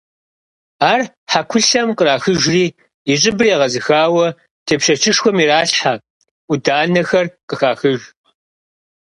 Ар хьэкулъэм кърахыжри, и щӀыбыр егъэзыхауэ тепщэчышхуэм иралъхьэ, Ӏуданэхэр къыхахыж.